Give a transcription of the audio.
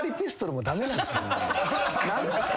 何なんすか？